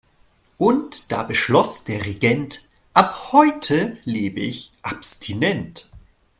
Und da beschloss der Regent: Ab heute lebe ich abstinent.